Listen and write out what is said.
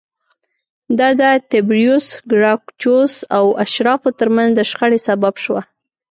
دا د تبریوس ګراکچوس او اشرافو ترمنځ د شخړې سبب شوه